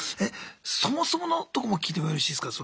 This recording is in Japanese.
そもそものとこも聞いてもよろしいですか？